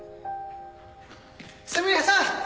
すみれさん！